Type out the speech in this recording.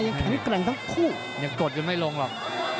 ยังแข็งแกร่งทั้งคู่มันยังคุกอย่างไม่ลงหรอก